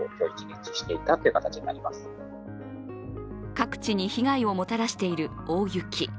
各地に被害をもたらしている大雪。